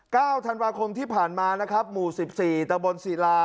เก้าธันวาคมที่ผ่านมานะครับหมู่สิบสี่ตะบนศิลา